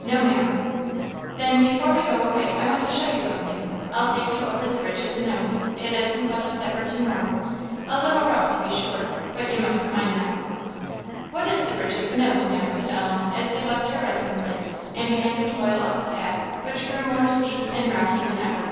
"No, Maam." "Then, before we go away, I want to show you something. I'll take you over the Bridge of the Nose; it isn't but a step or two more: a little rough, to be sure, but you mustn't mind that." "What is the 'Bridge of the Nose,' Maam?" said Ellen, as they left her resting place, and began to toil up the path, which grew more steep and rocky than ever.